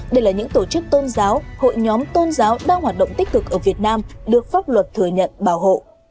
đây là những tổ chức tôn giáo hội nhóm tôn giáo đang hoạt động tích cực ở việt nam được pháp luật thừa nhận bảo hộ